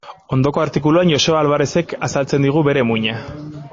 Ondoko artikuluan Joseba Alvarerezek azaltzen digu bere muina.